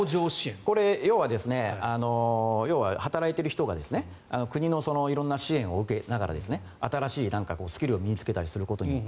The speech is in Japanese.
これ、要は働いている人が国の支援を受けながら新しいスキルを身に着けたりすることによって